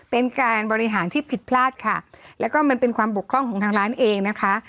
เป็นการบริหารที่ผิดพลาดค่ะแล้วก็มันเป็นความบกพร่องของทางร้านเองนะคะ